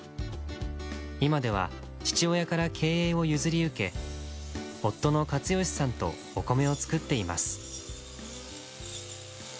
今では父親から経営を譲り受け夫の勝義さんとお米を作っています。